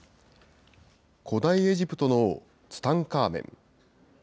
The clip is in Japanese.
古代エジプトの王、ツタンカーメン。